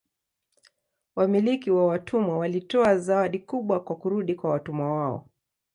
Wamiliki wa watumwa walitoa zawadi kubwa kwa kurudi kwa watumwa wao.